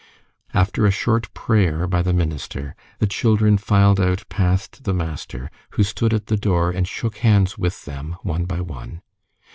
After a short prayer by the minister, the children filed out past the master, who stood at the door and shook hands with them one by one.